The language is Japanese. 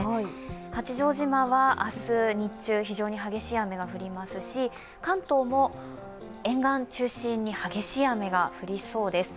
八丈島は明日日中、非常に激しい雨が降りますし、関東も沿岸中心に激しい雨が降りそうです。